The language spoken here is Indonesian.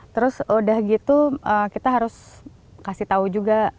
terus udah gitu kita harus kasih tahu juga